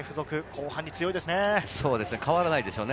後半に強いですよね。